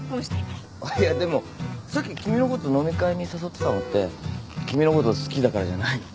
あっいやでもさっき君のこと飲み会に誘ってたのって君のこと好きだからじゃないの？